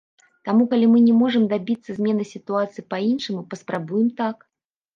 Таму, калі мы не можам дабіцца змены сітуацыі па-іншаму, паспрабуем так.